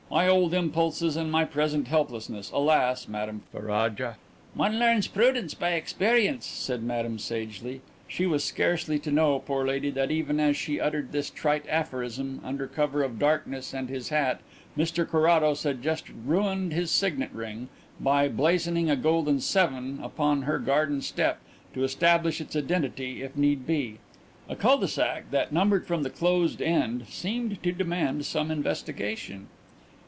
"My old impulses and my present helplessness, alas, Madame Ferraja!" "One learns prudence by experience," said Madame sagely. She was scarcely to know, poor lady, that even as she uttered this trite aphorism, under cover of darkness and his hat, Mr Carrados had just ruined his signet ring by blazoning a golden "7" upon her garden step to establish its identity if need be. A cul de sac that numbered from the closed end seemed to demand some investigation.